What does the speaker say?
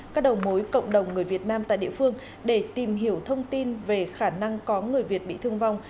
các đầu mối cộng đồng người việt nam tại địa phương để tìm hiểu thông tin về khả năng có người việt bị thương vong